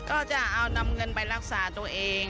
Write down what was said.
ก็จะเอานำเงินไปรักษาตัวเอง